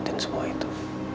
terima kasih pak